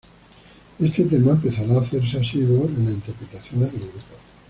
Este tema empezará a hacerse asiduo en las interpretaciones del grupo.